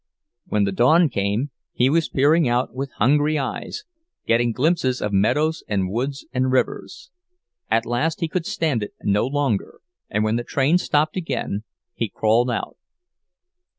When the dawn came he was peering out with hungry eyes, getting glimpses of meadows and woods and rivers. At last he could stand it no longer, and when the train stopped again he crawled out.